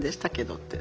って。